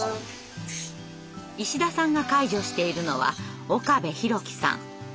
石田さんが介助しているのは岡部宏生さん。